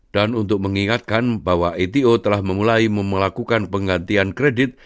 dan untuk mengingatkan bahwa ato telah memulai memelakukan penggantian kredit